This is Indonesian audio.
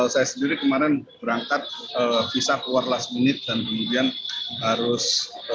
saya sendiri kemarin berangkat visa keluar last minute dan kemudian harus